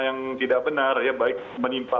yang tidak benar ya baik menimpa